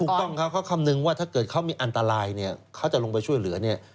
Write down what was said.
ถูกต้องครับเขาคำนึงว่าถ้าเกิดเขามีอันตรายเนี่ยเขาจะลงไปช่วยเหลือเนี่ย